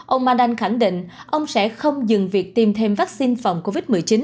ông mandan khẳng định ông sẽ không dừng việc tiêm thêm vaccine phòng covid một mươi chín